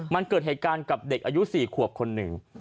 มันเกิดเหตุการณ์กับเด็กอายุ๔ขวบคนหนึ่ง